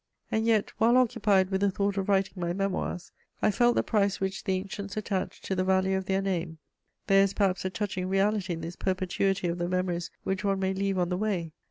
And yet, while occupied with the thought of writing my Memoirs, I felt the price which the ancients attached to the value of their name: there is perhaps a touching reality in this perpetuity of the memories which one may leave on the way.